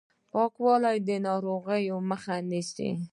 پاکوالی د ناروغیو مخه نیسي.